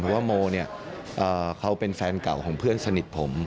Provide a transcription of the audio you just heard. ว่าโมเนี่ยเขาเป็นแฟนเก่าของเพื่อนสนิทผม